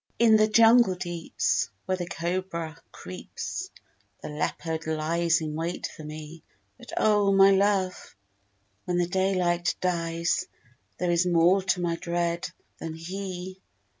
In the jungle deeps, Where the cobra creeps, The leopard lies In wait for me, But O, my love, When the daylight dies There is more to my dread than he!